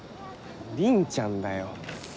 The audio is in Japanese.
凛ちゃんだよ。